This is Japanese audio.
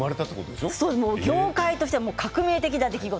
業界としては革命的な出来事。